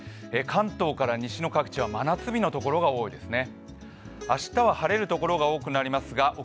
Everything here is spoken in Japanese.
関東から西の各地は真夏日のところが多いですね。